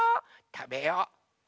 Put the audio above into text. たべよう。